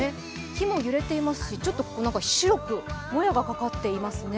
木も揺れていますし、ちょっと白くもやがかかっていますね。